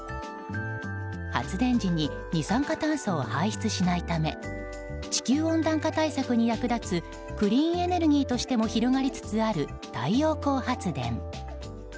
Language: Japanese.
発電時に二酸化炭素を排出しないため地球温暖化対策に役立つクリーンエネルギーとしても広がりつつある太陽光発電。